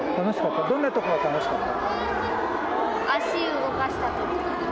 どんなとこが楽しかった？